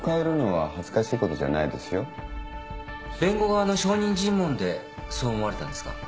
弁護側の証人尋問でそう思われたんですか。